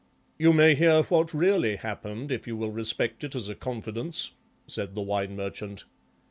"You may hear what really happened if you will respect it as a confidence," said the Wine Merchant.